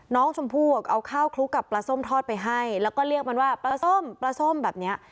น้องชมพู่เอาข้าวคลุกกับปลาส้มทอดไปให้แล้วก็เรียกมันว่าปลาส้มปลาส้มแบบเนี้ย